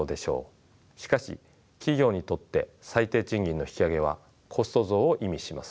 しかし企業にとって最低賃金の引き上げはコスト増を意味します。